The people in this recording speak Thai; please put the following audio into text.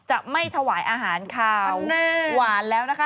จะไม่ถวายอาหารค่ะหวานแล้วนะคะ